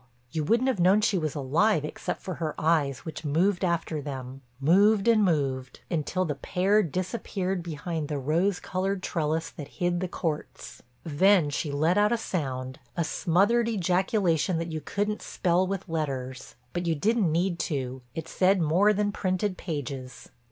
You wouldn't have known she was alive except for her eyes which moved after them, moved and moved, until the pair disappeared behind the rose covered trellis that hid the courts. Then she let out a sound, a smothered ejaculation that you couldn't spell with letters; but you didn't need to, it said more than printed pages.